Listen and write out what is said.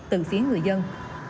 từ phía người dân